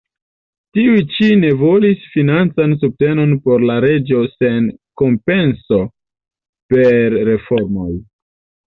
Tiuj ĉi ne volis financan subtenon por la reĝo sen kompenso per reformoj.